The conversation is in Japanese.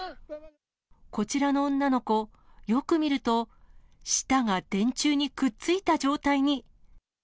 こちらの女の子、よく見ると、舌が電柱にくっついた状態に。